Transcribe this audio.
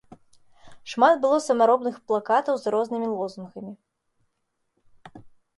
Шмат было самаробных плакатаў з рознымі лозунгамі.